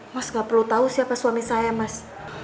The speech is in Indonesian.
mas gak perlu tahu siapa suami saya mas